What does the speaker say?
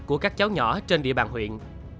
của các cháu nhỏ trên địa bàn huyện